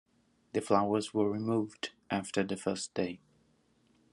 The flowers were removed after the first day.